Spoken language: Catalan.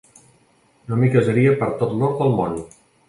No m'hi casaria per tot l'or del món.